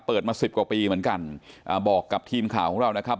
มาสิบกว่าปีเหมือนกันอ่าบอกกับทีมข่าวของเรานะครับ